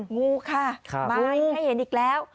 งูค่ะมาให้เห็นอีกแล้ว